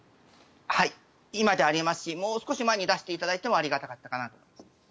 はい、今でありますしもう少し前に出していただいてもありがたかったかなと。